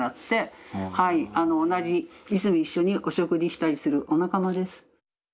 同じいつも一緒にお食事したりするお仲間です。